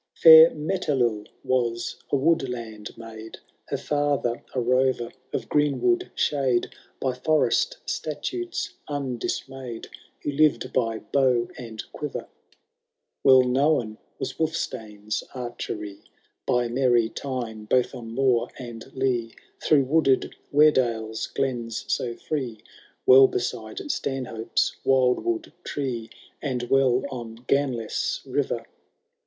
IIL Fair Metelill was a woodland maid. Her father a rover of greenwood shade, By forest statutes undismayed. Who lived by bow and quiver ; Well known was Wulfstane^s archery. By merry Tyne both on moor and lea. Through wooded Weardale^s glens so firee. Well beside Stanhope^s wildwood tree. And well on Ganlesse river.